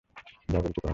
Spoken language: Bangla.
যা বলছি, কর।